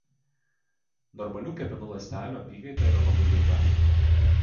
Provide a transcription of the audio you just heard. Normalių kepenų ląstelių apykaita yra labai lėta.